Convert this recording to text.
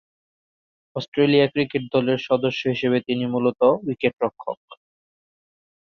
Australia cricket দলের সদস্য হিসেবে তিনি মূলতঃ উইকেট-রক্ষক।